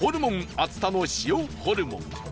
熱田の塩ホルモン